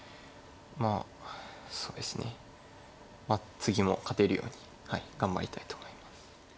次も勝てるように頑張りたいと思います。